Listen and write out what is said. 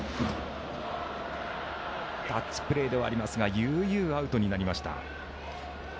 タッチプレーではありますが悠々アウトになりました。